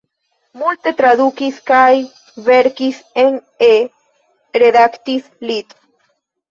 Multe tradukis kaj verkis en E, redaktis lit.